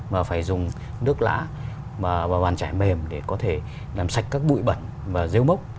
mà phải dùng nước lã và bàn chải mềm để có thể làm sạch các bụi bẩn và rêu mốc